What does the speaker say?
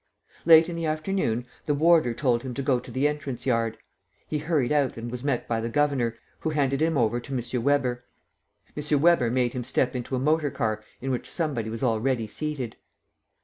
Late in the afternoon, the warder told him to go to the entrance yard. He hurried out and was met by the governor, who handed him over to M. Weber. M. Weber made him step into a motor car in which somebody was already seated.